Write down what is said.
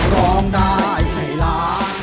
ร้องได้ให้ล้าน